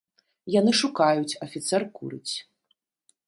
Яны шукаюць, афіцэр курыць.